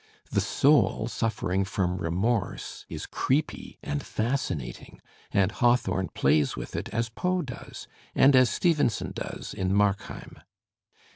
The soul suffering from remorse is creepy and fascinating, and Hawthorne plays with it as Poe does, and as Stevenson does in "Markheim."